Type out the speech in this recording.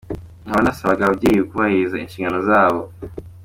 Nkaba nasabaga ababyeyi kubahiriza inshingano zabo.